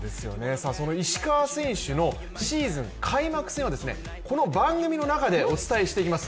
その石川選手のシーズン開幕戦はこの番組の中でお伝えしていきます。